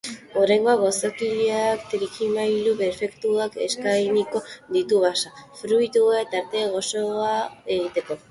Oraingoan, gozogileak trikimailu perfektuak eskainiko ditu basa-fruituen tarta goxoa egiteko.